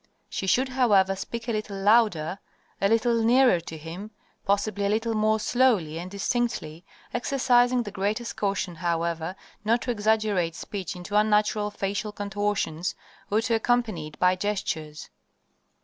She should, however, speak a little louder, a little nearer to him, possibly a little more slowly and distinctly, exercising the greatest caution, however, not to exaggerate speech into unnatural facial contortions, or to accompany it by gestures.